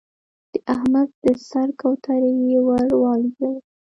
د احمد د سر کوترې يې ور والوزولې.